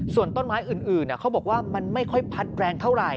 ส่วนต้นไม้อื่นเขาบอกว่ามันไม่ค่อยพัดแรงเท่าไหร่